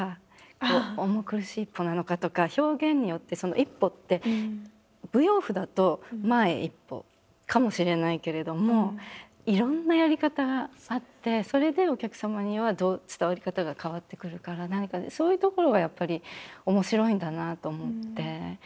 表現によってその１歩って舞踊譜だと「前１歩」かもしれないけれどもいろんなやり方があってそれでお客様には伝わり方が変わってくるから何かねそういうところがやっぱり面白いんだなと思って。